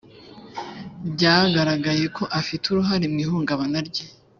byagaragaye ko afite uruhare mu ihungabana rye